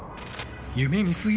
夢、見すぎ。